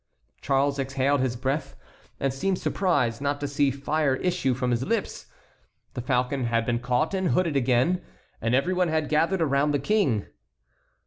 Charles exhaled his breath and seemed surprised not to see fire issue from his lips. The falcon had been caught and hooded again, and every one had gathered around the King.